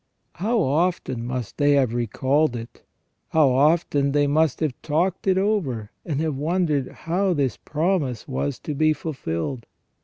How often must they have recalled it ! How often they must have talked it over, and have wondered how this promise was to be fulfilled